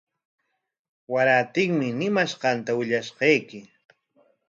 Warantinmi ñimanqanta willashqayki.